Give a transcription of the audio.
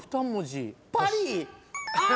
「パリ」！